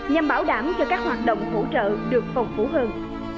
nhằm bảo đảm cho các hoạt động hỗ trợ được phòng phủ hơn